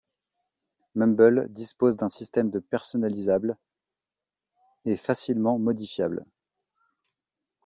Mumble dispose d'un système de personnalisables et facilement modifiables.